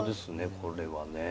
これはね